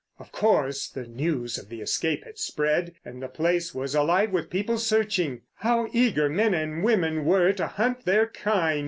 Of course the news of the escape had spread, and the place was alive with people searching. How eager men and women were to hunt their kind!